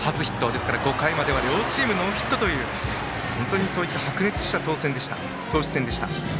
ですから５回までは両チーム、ノーヒットという本当に白熱した投手戦でした。